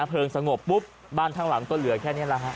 เพลิงสงบปุ๊บบ้านข้างหลังก็เหลือแค่นี้แหละฮะ